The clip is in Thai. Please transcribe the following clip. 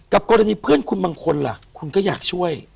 กรณีเพื่อนคุณบางคนล่ะคุณก็อยากช่วย